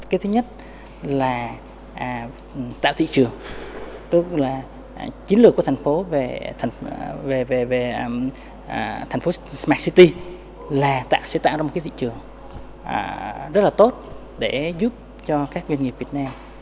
cái thứ nhất là tạo thị trường tức là chiến lược của thành phố về thành phố smart city là sẽ tạo ra một cái thị trường rất là tốt để giúp cho các doanh nghiệp việt nam